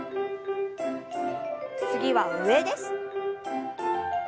次は上です。